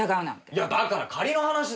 いやだから仮の話だよ！